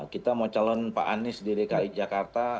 kita mau calon pak anies di dki jakarta